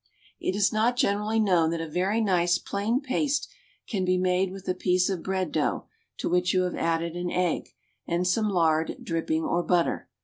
It is not generally known that a very nice plain paste can be made with a piece of bread dough, to which you have added an egg, and some lard, dripping, or butter.